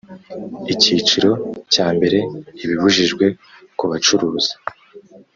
icyiciro cya mbere ibibujijwe ku bacuruza